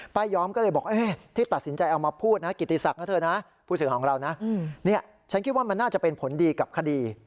ย้อมก็เลยบอกที่ตัดสินใจเอามาพูดนะกิติศักดิ์นะเธอนะผู้สื่อของเรานะฉันคิดว่ามันน่าจะเป็นผลดีกับคดี